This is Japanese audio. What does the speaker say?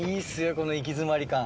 この行き詰まり感。